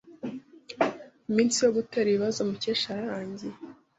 Iminsi yo gutera ibibazo Mukesha yararangiye.